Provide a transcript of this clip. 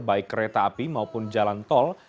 baik kereta api maupun jalan tol